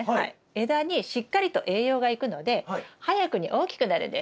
枝にしっかりと栄養がいくので早くに大きくなるんです。